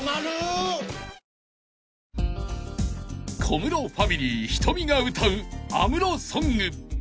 ［小室ファミリーｈｉｔｏｍｉが歌う安室ソング］